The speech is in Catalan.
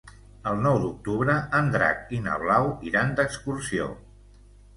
El nou d'octubre en Drac i na Blau iran d'excursió.